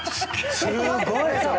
すごい！それ。